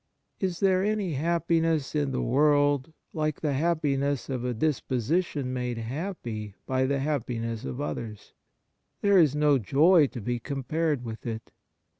Is there any happiness in the world Hke the happiness of a disposition made happy by the happiness of others ? There is no joy to be compared with it.